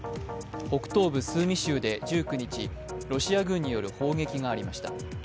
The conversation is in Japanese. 北東部スーミ州で１９日、ロシア軍による砲撃がありました。